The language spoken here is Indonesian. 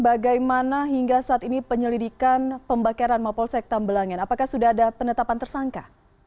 bagaimana hingga saat ini penyelidikan pembakaran mapolsek tambelangan apakah sudah ada penetapan tersangka